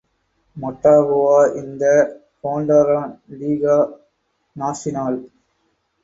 Motagua in the Honduran Liga Nacional.